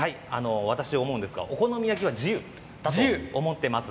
私は思うんですがお好み焼きは自由と思っています。